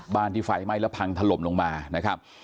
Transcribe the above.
ที่ไฟไหม้แล้วพังถล่มลงมานะครับ